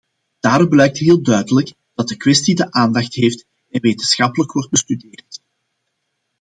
Daaruit blijkt heel duidelijk dat de kwestie de aandacht heeft en wetenschappelijk wordt bestudeerd.